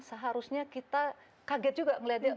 seharusnya kita kaget juga melihatnya